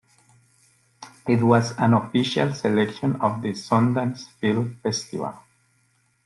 It was an official selection of the Sundance Film Festival.